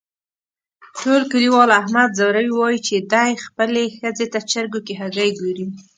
ټول کلیوال احمد ځوروي، وایي چې دی خپلې ښځې ته چرگو کې هگۍ گوري.